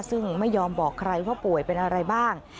ซึ่งไม่ยอมบอกใครว่าป่วยเป็นอะไรบ้าง